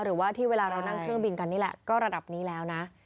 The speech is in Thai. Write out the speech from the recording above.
หรือว่าที่เวลาเรานั่งเครื่องบินกันนี่แหละก็ระดับนี้แล้วนะ